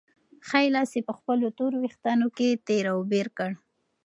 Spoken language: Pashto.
ښی لاس یې په خپلو تورو وېښتانو کې تېر او بېر کړ.